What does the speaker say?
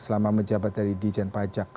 selama menjabat dari dijen pajak